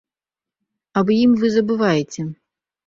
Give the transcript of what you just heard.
Аб ім вы забываеце.